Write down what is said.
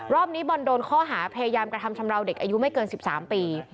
รอบนี้บอลโดนข้อหาพยายามกระทำชำราวเด็กอายุไม่เกิน๑๓ปี